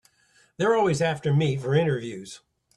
They're always after me for interviews.